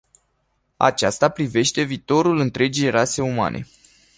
Aceasta privește viitorul întregii rase umane.